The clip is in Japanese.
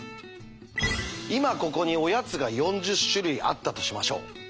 今ここにおやつが４０種類あったとしましょう。